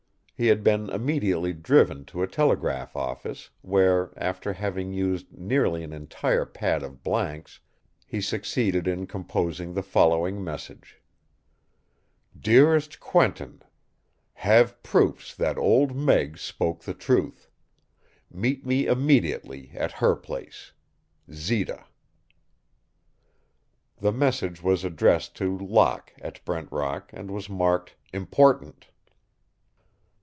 He had been immediately driven to a telegraph office, where, after having used nearly an entire pad of blanks, he succeeded in composing the following message: DEAREST QUENTIN, Have proofs that Old Meg spoke the truth. Meet me immediately at her place. ZITA. The message was addressed to Locke at Brent Rock and was marked "Important."